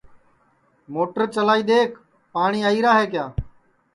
موٹر چلائی دؔیکھ پاٹؔی آئیرا ہے کیا